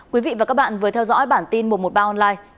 quý vị và các bạn vừa theo dõi bản tin một trăm một mươi ba online